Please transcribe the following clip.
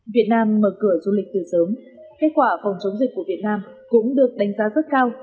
việt nam mở cửa du lịch từ sớm kết quả phòng chống dịch của việt nam cũng được đánh giá rất cao